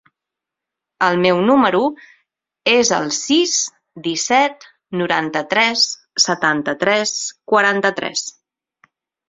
El meu número es el sis, disset, noranta-tres, setanta-tres, quaranta-tres.